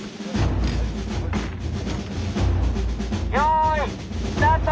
よいスタート！